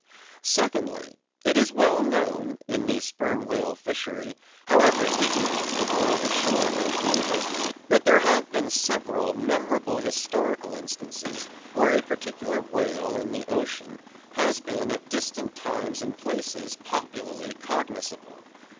Secondly: It is well known in the Sperm Whale Fishery, however ignorant the world ashore may be of it, that there have been several memorable historical instances where a particular whale in the ocean has been at distant times and places popularly cognisable.